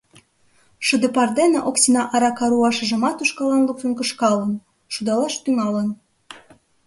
Шыде пар дене Оксина арака руашыжымат ушкаллан луктын кышкалын, шудалаш тӱҥалын: